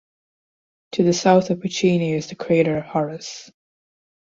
To the south of Puccini is the crater Horace.